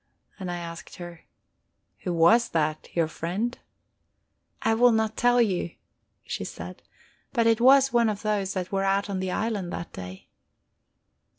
And I asked her: "Who was that, your friend?" "I will not tell you," she said. "But it was one of those that were out on the island that day."